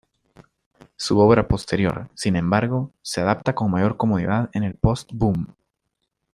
Su obra posterior, sin embargo, se adapta con mayor comodidad en el post-"boom".